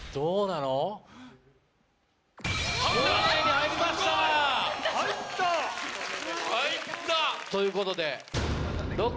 入った！ということで。